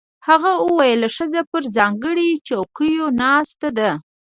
هغه وویل ښځه پر ځانګړو څوکیو ناسته ده.